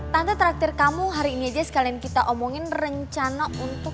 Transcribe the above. tante terakhir kamu hari ini aja sekalian kita omongin rencana untuk